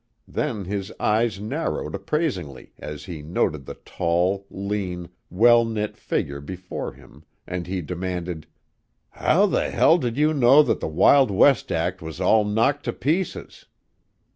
Then his eyes narrowed appraisingly as he noted the tall, lean, well knit figure before him, and he demanded: "How the h l did you know that the Wild West act was all knocked to pieces?"